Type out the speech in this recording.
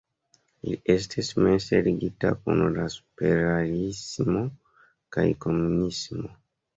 Li estis mense ligita kun la superrealismo kaj komunismo.